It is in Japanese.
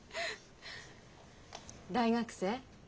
大学生？